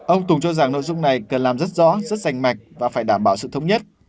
ông tùng cho rằng nội dung này cần làm rất rõ rất rành mạch và phải đảm bảo sự thống nhất